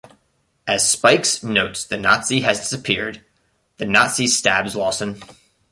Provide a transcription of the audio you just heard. As Spikes notes the Nazi has disappeared, the Nazi stabs Lawson.